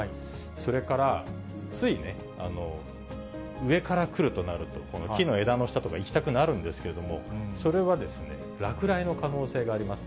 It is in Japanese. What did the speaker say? それから、ついね、上から来るとなると、木の枝の下とか行きたくなるんですけれども、それは落雷の可能性があります。